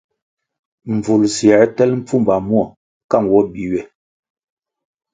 Mbvul siē tel mpfumba mwo ka nwo bi ywe.